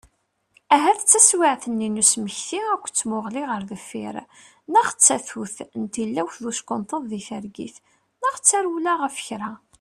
Ahat d taswiɛt-nni n usmekti akked tmuɣli ɣer deffir, neɣ d tatut n tilawt d uckenṭeḍ di targit, neɣ d tarewla ɣef kra.